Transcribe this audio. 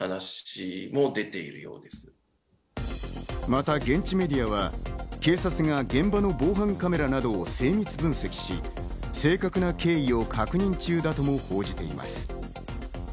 また現地メディアは警察が現場の防犯カメラなどを精密分析し、正確な経緯を確認中だとも報じています。